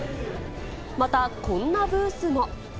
また、こんなブースも。